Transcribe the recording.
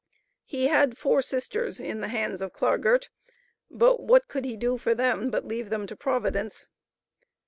He had four sisters in the hands of Clargart, but what could he do for them but leave them to Providence.